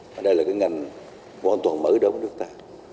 mà đây là cái ngành vô toàn mở đó của nước ta